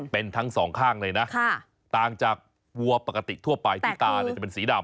เป็นทั้งสองข้างเลยนะต่างจากวัวปกติทั่วไปที่ตาจะเป็นสีดำ